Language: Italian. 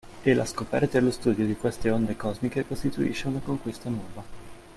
E la scoperta e lo studio di queste onde cosmiche costituisce una conquista nuova.